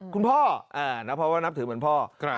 คุณพ่ออ่านับหวะนับถือเหมือนพ่อครับ